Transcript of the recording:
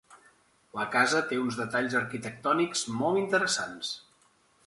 La casa té uns detalls arquitectònics molt interessants.